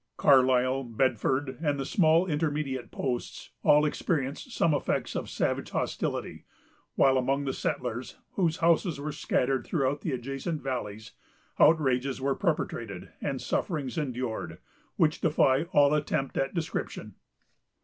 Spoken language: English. Carlisle, Bedford, and the small intermediate posts, all experienced some effects of savage hostility; while among the settlers, whose houses were scattered throughout the adjacent valleys, outrages were perpetrated, and sufferings endured, which defy all attempt at description.